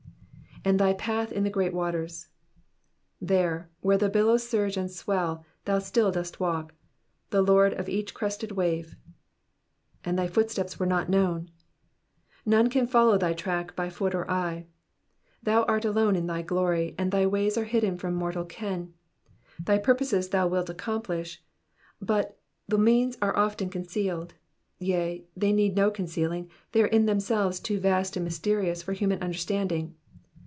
"And thy path in the gi'eat waters,''^ There, where the billows surge and swell, thou still dost walk ; Lord of each crested wave. "And tfty footsteps are not known,'''' None can follow thy tracks by foot or eye. Thou art alone in thy glory, and thy ways are hidden from mortal ken. Thy purposes thou wilt accomplish, but the means are often concealed, yea, they need no concealing, they are in themselves too vast and mysterious for human understanding.